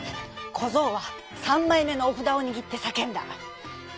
こぞうはさんまいめのおふだをにぎってさけんだ。